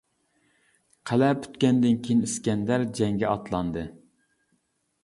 قەلئە پۈتكەندىن كىيىن ئىسكەندەر جەڭگە ئاتلاندى.